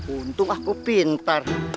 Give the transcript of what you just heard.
untung aku pintar